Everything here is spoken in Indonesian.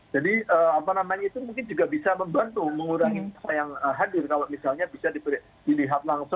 jadi apa namanya itu mungkin juga bisa membantu mengurangi yang hadir kalau misalnya bisa dilihat langsung oleh para pendukungnya